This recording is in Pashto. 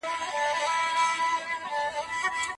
د علمي څېړنو د لیوالتیا زیاتول غوښتل کیږي.